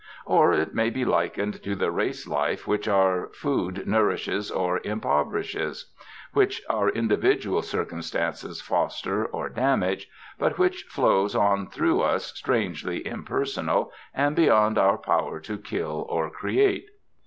Or it may be likened to the race life which our food nourishes or impoverishes, which our individual circumstances foster or damage, but which flows on through us, strangely impersonal and beyond our power to kill or create.